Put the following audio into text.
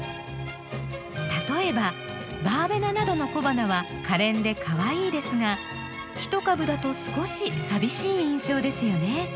例えばバーベナなどの小花はかれんでかわいいですが１株だと少し寂しい印象ですよね。